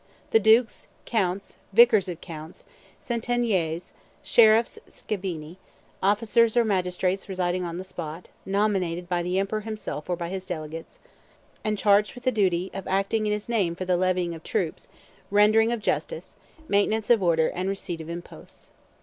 The dukes, counts, vicars of counts, centeniers, sheriffs (scabini), officers or magistrates residing on the spot, nominated by the emperor himself or by his delegates, and charged with the duty of acting in his name for the levying of troops, rendering of justice, maintenance of order, and receipt of imposts.